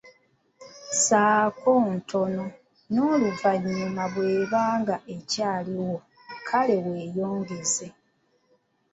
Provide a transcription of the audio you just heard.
Ssaako ntono n’oluvannyuma bw'ebanga ekyaaliwo kale weeyongeze.